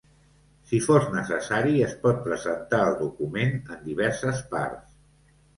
Si fos necessari, es pot presentar el document en diverses parts.